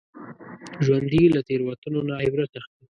ژوندي له تېروتنو نه عبرت اخلي